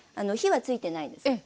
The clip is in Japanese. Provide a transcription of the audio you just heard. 火はついてないです。